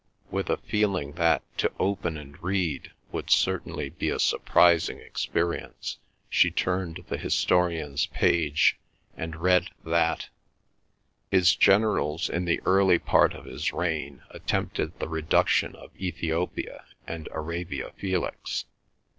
With a feeling that to open and read would certainly be a surprising experience, she turned the historian's page and read that— His generals, in the early part of his reign, attempted the reduction of Aethiopia and Arabia Felix.